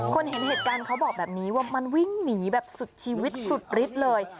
เห็นเหตุการณ์เขาบอกแบบนี้ว่ามันวิ่งหนีแบบสุดชีวิตสุดฤทธิ์เลย